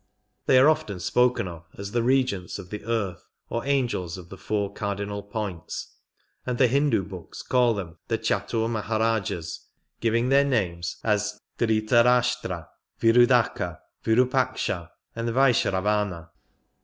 They are often spoken of as the Regents of the Earth, or Angels of the four cardinal points, and the Hindu books call them the Chatur Mahir^jahs, giving their names as Dhritarashtra, Virudhaka, Virupaksha, and VaishrSvana.